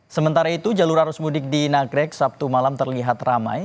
sementara itu jalur arus mudik di nagrek sabtu malam terlihat ramai